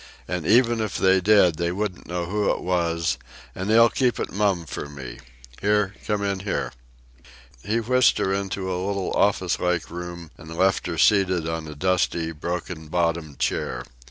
"And even if they did, they wouldn't know who it was and they's keep it mum for me. Here, come in here!" He whisked her into a little office like room and left her seated on a dusty, broken bottomed chair.